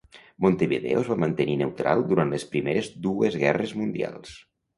Montevideo es va mantenir neutral durant les primeres dues guerres mundials.